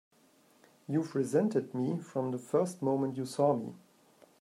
You've resented me from the first moment you saw me!